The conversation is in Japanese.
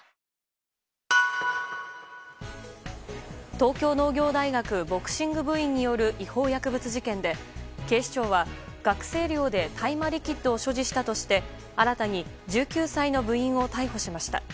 東京農業大学ボクシング部員による違法薬物事件で警視庁は、学生寮で大麻リキッドを所持したとして新たに１９歳の部員を逮捕しました。